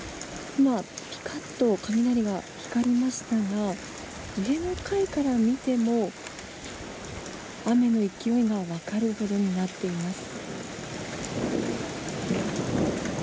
今、ピカッと雷が光りましたが上の階から見ても雨の勢いが分かるぐらいになっています。